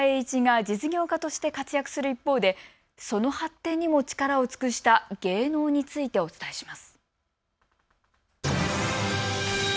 今回は渋沢栄一が実業家として活躍する一方でその発展にも力を尽くした芸能についてお伝えします。